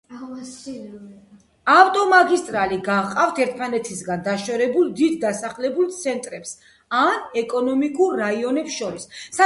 ავტომაგისტრალი გაჰყავთ ერთმანეთისაგან დაშორებულ დიდ დასახლებულ ცენტრებს ან ეკონომიკურ რაიონებს შორის.